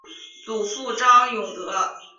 祖父张永德。